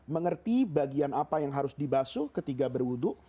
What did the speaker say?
mengerti bagian apa yang harus dibasu ketika berwudu